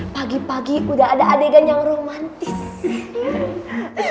pagi pagi udah ada adegan yang romantis